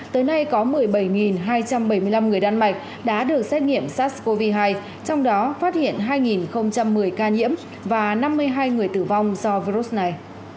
tới nay có một mươi bảy hai trăm bảy mươi năm người đan mạch đã được xét nghiệm sars cov hai trong đó phát hiện hai một mươi ca nhiễm và năm mươi hai người tử vong do virus này